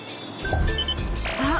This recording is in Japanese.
あっ！